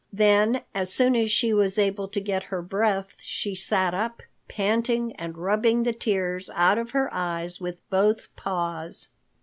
Then as soon as she was able to get her breath, she sat up, panting and rubbing the tears out of her eyes with both paws.